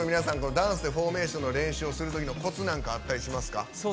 ダンスでフォーメーションの練習をするときのコツなんかあったりしますか？